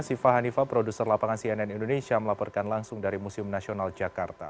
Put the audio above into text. siva hanifah produser lapangan cnn indonesia melaporkan langsung dari museum nasional jakarta